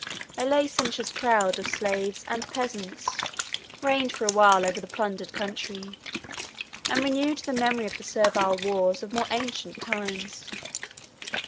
A licentious crowd of slaves and peasants reigned for a while over the plundered country, and renewed the memory of the servile wars of more ancient times.